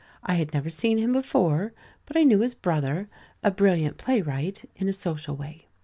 I had never seen him before, but I knew his brother, a brilliant playwright, in a social way.